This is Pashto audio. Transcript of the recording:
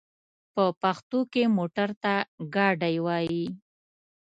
په پښتو کې موټر ته ګاډی وايي.